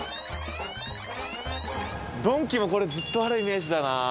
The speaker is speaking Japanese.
ドンキもこれずっとあるイメージだな。